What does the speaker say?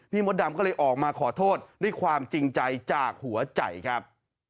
มดดำก็เลยออกมาขอโทษด้วยความจริงใจจากหัวใจครับ